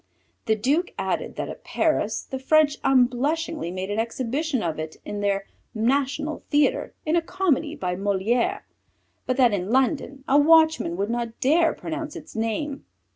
The Duke added that at Paris the French unblushingly made an exhibition of it in their national theatre in a comedy by Molière, but that in London a watchman would not dare pronounce its name.